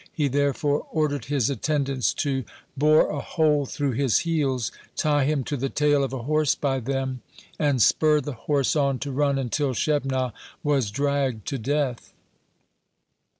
He, therefore, ordered his attendants to bore a hole through his heels, tie him to the tail of a horse by them, and spur the horse on to run until Shebnah was dragged to death.